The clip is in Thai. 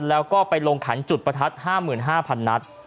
แล้วก็ไปลงขันจุดประทัด๕๕๐๐นัด